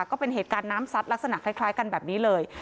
ก็เป็นเหตุการณ์น้ำซัดลักษณะคล้ายกันแบบนี้เลย